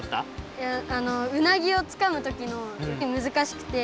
いやうなぎをつかむときのむずかしくて。